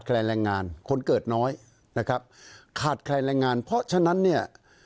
แรงแรงงานคนเกิดน้อยนะครับขาดแคลนแรงงานเพราะฉะนั้นเนี่ย